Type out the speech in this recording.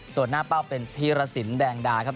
ส่วนหน้าเป้าเป็นธีรสินแดงดาครับ